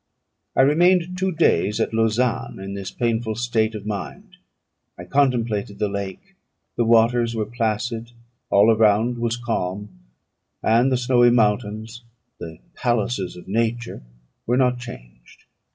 I remained two days at Lausanne, in this painful state of mind. I contemplated the lake: the waters were placid; all around was calm; and the snowy mountains, "the palaces of nature," were not changed.